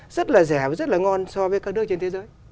rất là rẻ và rất là ngon so với các nước trên thế giới